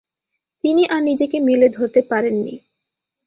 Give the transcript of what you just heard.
তিনি আর নিজেকে মেলে ধরতে পারেননি।